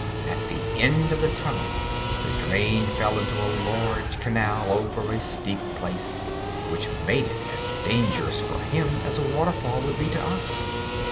At the end of the tunnel the drain fell into a large canal over a steep place, which made it as dangerous for him as a waterfall would be to us.